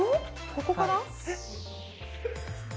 ここかな？